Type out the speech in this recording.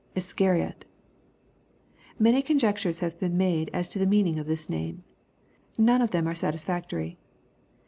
[Iscariot] Many conjectures have been made as to the meaning ci this name. None of them are satisfactory.